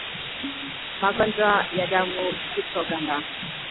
Magonjwa ya damu kutoganda